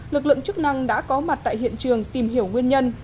lực lượng chức năng đã có mặt tại hiện trường tìm hiểu nguyên nhân